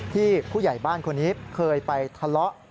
ผู้ใหญ่บ้านคนนี้เคยไปทะเลาะ